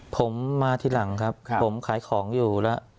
ผมมาทีหลังครับผมขายของอยู่แล้ว